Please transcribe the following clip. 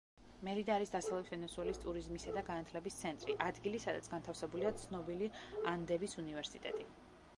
მერიდა არის დასავლეთ ვენესუელის ტურიზმისა და განათლების ცენტრი, ადგილი, სადაც განთავსებულია ცნობილი ანდების უნივერსიტეტი.